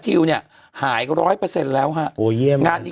คือคือคือคือคือ